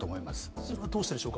それはどうしてでしょうか。